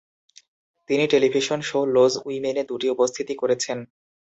তিনি television show Loose উইমেনে দুটি উপস্থিতি করেছেন।